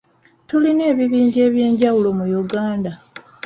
Tulina ebibinja eby'enjawulo mu Uganda.